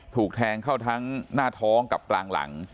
ถูกแทงเข้าทั้งหน้าท้องกับกลางหลัง